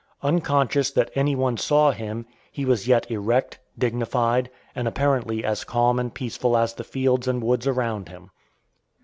Unconscious that any one saw him, he was yet erect, dignified, and apparently as calm and peaceful as the fields and woods around him.